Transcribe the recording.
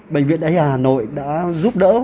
bệnh viện đhi hà nội đã giúp đỡ